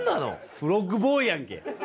フロッグボーイやんけ。